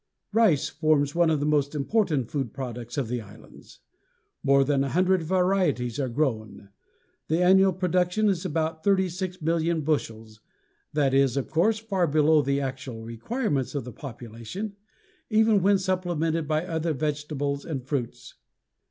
Rice forms one of the most important food products of the islands; more than a hundred varieties are grown; the annual production is about 36,000,000 bushels. This is, of course, far below the actual requirements of the population, even when supplemented by other vegetables and fruits.